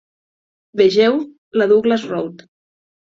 Vegeu la Douglas Road.